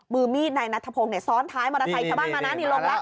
มือมีดในนัทธพงศ์เนี่ยซ้อนท้ายมอเตอร์ไซชาวบ้านมานะนี่ลงละ